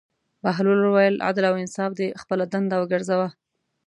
بهلول وویل: عدل او انصاف دې خپله دنده وګرځوه.